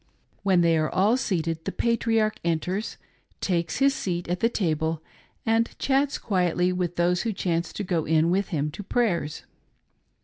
When they are all seated, the patriarch enters, takes his seat at the table and chats quietly with those who chance to go in with him to prayers.